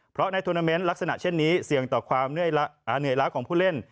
เพราะในทวนาเมนต์ลักษณะเช่นนี้เสี่ยงต่อความเหนื่อยล้าของผู้เล่น